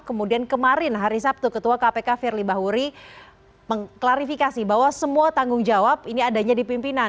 kemudian kemarin hari sabtu ketua kpk firly bahuri mengklarifikasi bahwa semua tanggung jawab ini adanya di pimpinan